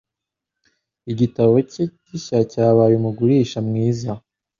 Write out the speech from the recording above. Igitabo cye gishya cyabaye umugurisha mwiza.